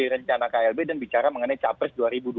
rencana klb dan bicara mengenai capres dua ribu dua puluh